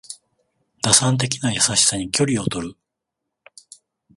打算的な優しさに距離をとる